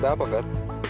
ada apa veth